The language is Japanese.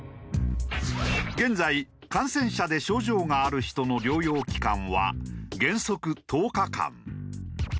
現在感染者で症状がある人の療養期間は原則１０日間。